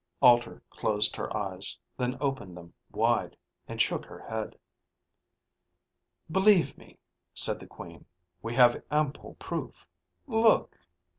Alter closed her eyes, then opened them wide and shook her head. "Believe me," said the Queen, "we have ample proof. Look."